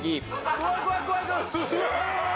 怖い怖い怖い。